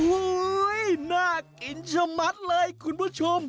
โอ้โหน่ากินชะมัดเลยคุณผู้ชม